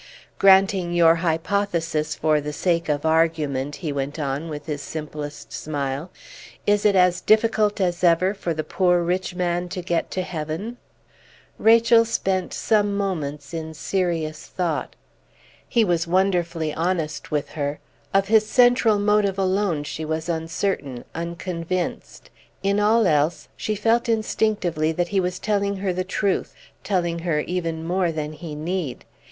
"Granting your hypothesis, for the sake of argument," he went on, with his simplest smile; "is it as difficult as ever for the poor rich man to get to heaven?" Rachel spent some moments in serious thought. He was wonderfully honest with her; of his central motive alone was she uncertain, unconvinced. In all else she felt instinctively that he was telling her the truth, telling her even more than he need.